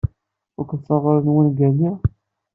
Tfukeḍ taɣuri n wungal-nni?